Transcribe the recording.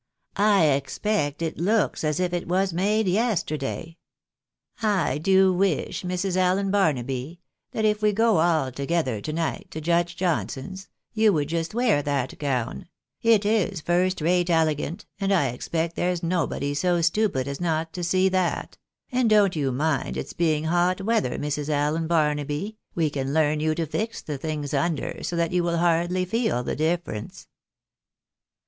" I expect it looks as if it was made yesterday. I do wish, Mrs. Allen Barnaby, that if we go all together to night to Judge Johnson's, you would just wear that gown — it is first rate elegant, and I expect there's nobody so stupid as not to see that — and don"t you mind its being hot weather, J\Irs. Allen Barnaby — we can learn you to fix the things under, so that you will hardly feel the difference."